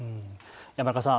山中さん